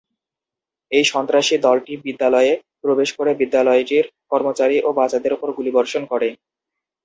এই সন্ত্রাসী দলটি বিদ্যালয়ে প্রবেশ করে বিদ্যালয়টির কর্মচারী ও বাচ্চাদের উপর গুলিবর্ষণ করে।